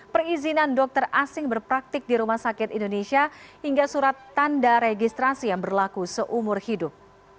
perizinan dokter asing berpraktik di rumah sakit indonesia hingga surat tanda registrasi yang berlaku seumur hidup